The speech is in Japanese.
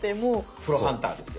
プロハンターですよ。